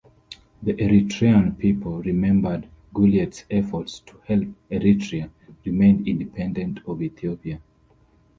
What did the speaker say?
The Eritrean people remembered Gulliet's efforts to help Eritrea remain independent of Ethiopia.